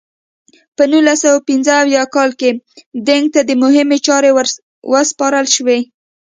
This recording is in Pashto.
په نولس سوه پنځه اویا کال کې دینګ ته مهمې چارې ور وسپارل شوې.